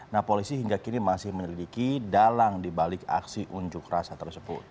nah polisi hingga kini masih menyelidiki dalang dibalik aksi unjuk rasa tersebut